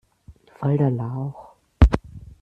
Voll der Lauch!